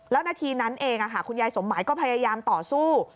แล้วนาทีนั้นเองคุณยายสมหมายก็พยายามต่อสู้